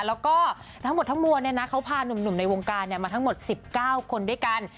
แล้วก็ทั้งหมดทั้งมวลเขาพานุ่มในวงการมาทั้งหมด๑๙คนด้วยกัน